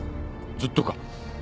ずっとか？